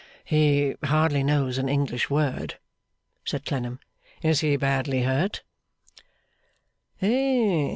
'He hardly knows an English word,' said Clennam; 'is he badly hurt?